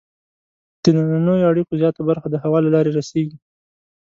د دنننیو اړیکو زیاته برخه د هوا له لارې رسیږي.